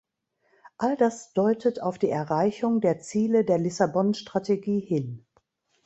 All das deutet auf die Erreichung der Ziele der Lissabon-Strategie hin.